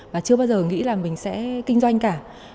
và chưa bao giờ nghĩ là mình sẽ kinh doanh cả